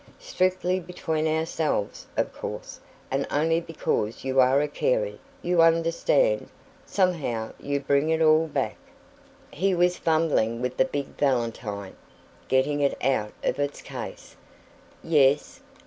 "Strictly between ourselves, of course and only because you are a Carey, you understand somehow you bring it all back " He was fumbling with the big valentine, getting it out of its case. "Yes?"